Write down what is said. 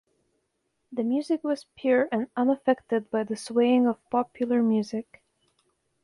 The music was pure and unaffected by the swaying of popular music.